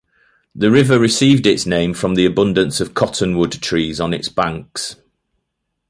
The river received its name from the abundance of cottonwood trees on its banks.